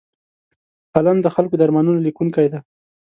قلم د خلکو د ارمانونو لیکونکی دی